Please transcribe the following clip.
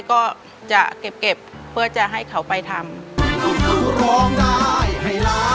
ก็จะเก็บเพื่อจะให้เขาไปทำ